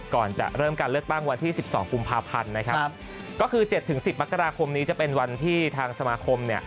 ก่อนจะเริ่มการเลือกตั้งวันที่สิบสองกุมภาพันธ์นะครับก็คือเจ็ดถึงสิบมกราคมนี้จะเป็นวันที่ทางสมาคมเนี่ย